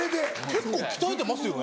結構鍛えてますよね。